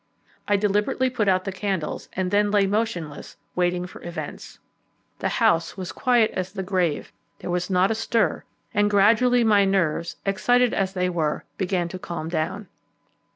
I deliberately put out the candles, and then lay motionless, waiting for events. The house was quiet as the grave there was not a stir, and gradually my nerves, excited as they were, began to calm down.